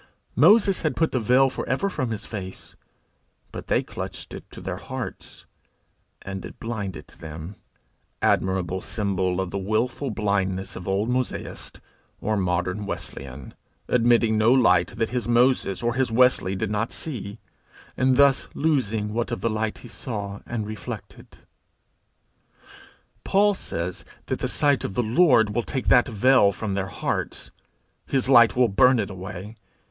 Moses had put the veil for ever from his face, but they clutched it to their hearts, and it blinded them admirable symbol of the wilful blindness of old Mosaist or modern Wesleyan, admitting no light that his Moses or his Wesley did not see, and thus losing what of the light he saw and reflected. Paul says that the sight of the Lord will take that veil from their hearts. His light will burn it away.